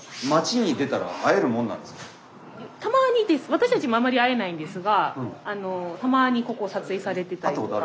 私たちもあんまり会えないんですがたまにここ撮影されてたりとか。